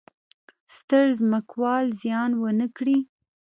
ستر ځمکوال زیان ونه کړي.